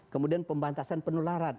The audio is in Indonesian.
kemudian pembatasan penularan